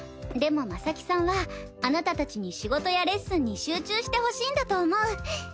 でも真咲さんはあなたたちに仕事やレッスンに集中してほしいんだと思う。